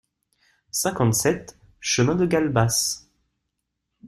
cinquante-sept chemin de Galbas